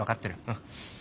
うん。